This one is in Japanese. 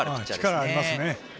力がありますね。